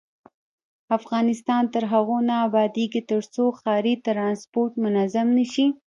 افغانستان تر هغو نه ابادیږي، ترڅو ښاري ترانسپورت منظم نشي.